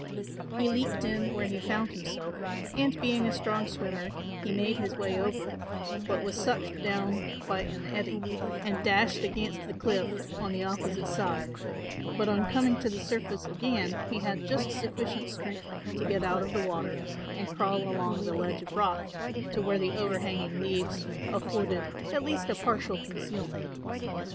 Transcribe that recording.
He leaped in where he found himself and being a strong swimmer he made his way over but was sucked down by an eddy and dashed against the cliff on the opposite side, but on coming to the surface again he had just sufficient strength to get out of the water and crawl along the ledge of rock to where the overhanging leaves afforded at least a partial concealment.